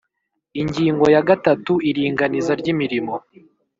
Ingingo ya gatatu Iringaniza ry imirimo